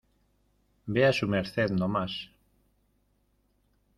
vea su merced no más...